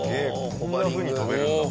こんなふうに飛べるんだ。